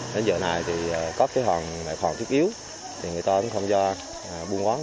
đến giờ này có thể hoàn thiết yếu người ta cũng không do buôn bán